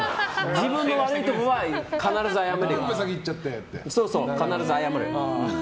自分の悪いところは必ず謝る。